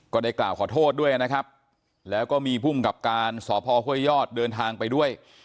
ก็ได้กล่าวขอโทษด้วยนะครับแล้วก็มีภูมิกับการสพห้วยยอดเดินทางไปด้วย